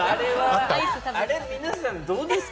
あれ、皆さんどうですか？